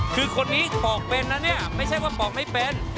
คือคนนี้ปอกเป็นนะเนี่ยไม่ใช่ว่าปอกไม่เป็น